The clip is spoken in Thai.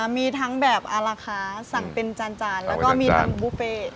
มีทั้งแบบอาราคาสั่งเป็นจานแล้วก็มีทั้งบุฟเฟ่